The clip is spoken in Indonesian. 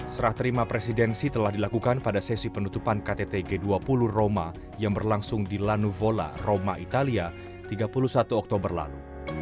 serah terima presidensi telah dilakukan pada sesi penutupan ktt g dua puluh roma yang berlangsung di lanuvola roma italia tiga puluh satu oktober lalu